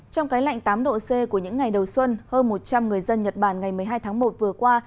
trong cái lạnh tám độ c của những ngày đầu xuân hơn một trăm linh người dân nhật bản ngày một mươi hai tháng một vừa qua